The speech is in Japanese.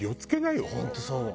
本当そう。